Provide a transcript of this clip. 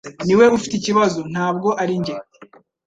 niwe ufite ikibazo, ntabwo ari njye.